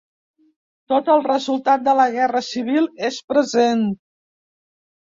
Tot el resultat de la guerra civil és present.